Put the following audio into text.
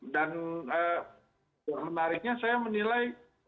dan menariknya saya menilai